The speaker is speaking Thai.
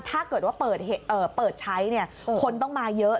ถ้าเกิดว่าเปิดใช้คนต้องมาเยอะ